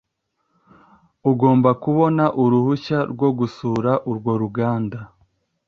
Ugomba kubona uruhushya rwo gusura urwo ruganda.